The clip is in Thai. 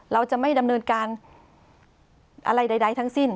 เราจะไม่ดำเนินการอะไรใดทั้งสิ้น